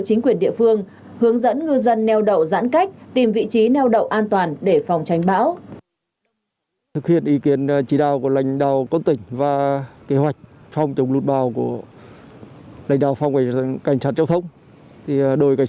các địa phương hướng dẫn ngư dân neo đầu giãn cách tìm vị trí neo đầu an toàn để phòng tranh bão